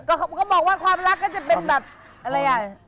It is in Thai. เขาบอกว่าความรักก็จะเป็นแบบอะไรอ่ะ